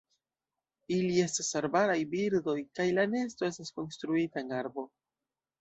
Ili estas arbaraj birdoj, kaj la nesto estas konstruita en arbo.